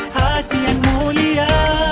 hati yang mulia